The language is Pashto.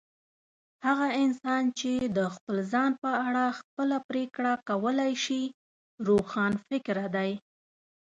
هغه انسان چي د خپل ځان په اړه خپله پرېکړه کولای سي، روښانفکره دی.